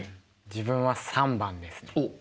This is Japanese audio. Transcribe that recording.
自分は３番ですね。